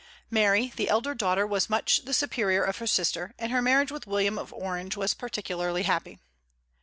Mary, the elder daughter, was much the superior of her sister, and her marriage with William of Orange was particularly happy.